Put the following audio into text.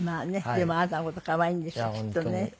でもあなたの事可愛いんでしょうきっとね。